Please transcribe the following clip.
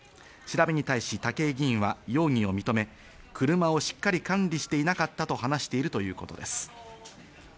調べに対し、武井議員は容疑を認め、車をしっかり管理していなかったと話しているということです。